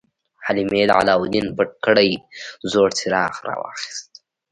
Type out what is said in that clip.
حلیمې د علاوالدین پټ کړی زوړ څراغ راواخیست.